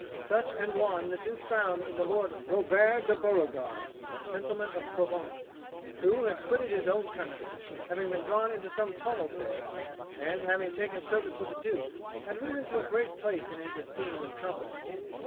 Such an one the Duke found in the Lord Robert de Beauregard, a gentleman of Provence, who had quitted his own country, having been drawn into some tumult there, and, having taken service with the Duke, had risen to a great place in his esteem and confidence.